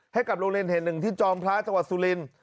ให้กับโรงเรียนแห่งหนึ่งที่จอมพระจังหวัดสุรินทร์